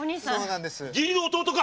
義理の弟か！